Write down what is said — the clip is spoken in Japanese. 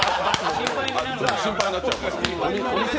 心配になっちゃうから。